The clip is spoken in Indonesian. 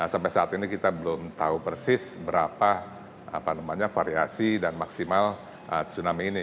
sampai saat ini kita belum tahu persis berapa variasi dan maksimal tsunami ini